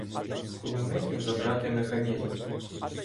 З кулеметів забрати механізми.